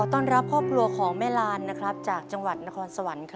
ต้อนรับครอบครัวของแม่ลานจากจังหวัดนครสวรรค์